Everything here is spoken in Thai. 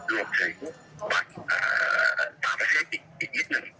รวมถึงบัตรต่างประเทศอีกนิดหนึ่ง